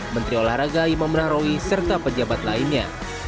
menteri olahraga imam naroi serta penjabat lainnya